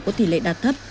có tỷ lệ đạt thấp